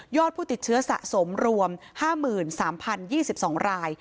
ผู้ติดเชื้อสะสมรวม๕๓๐๒๒ราย